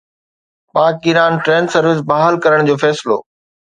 پاڪ Iran train service بحال ڪرڻ جو فيصلو